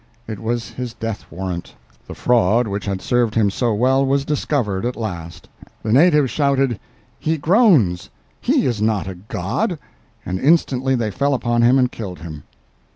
It was his death warrant. The fraud which had served him so well was discovered at last. The natives shouted, "He groans!—he is not a god!" and instantly they fell upon him and killed him.